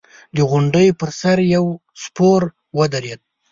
د غونډۍ پر سر يو سپور ودرېد.